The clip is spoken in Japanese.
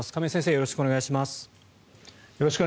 よろしくお願いします。